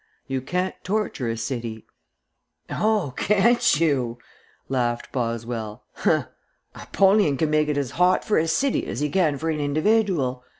You can't torture a city " "Oh, can't you!" laughed Boswell. "Humph. Apollyon can make it as hot for a city as he can for an individual.